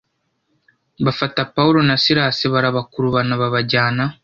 bafata pawulo na silasi barabakurubana babajyana